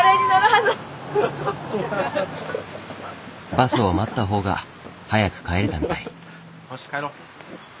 バスを待ったほうが早く帰れたみたい。